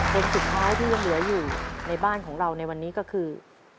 เป็นสุดท้ายที่ยังเหลืออยู่ในบ้านของเราในวันนี้ก็คือ